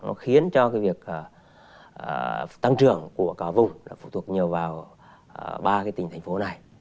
nó khiến cho cái việc tăng trưởng của cả vùng là phụ thuộc nhiều vào ba cái tỉnh thành phố này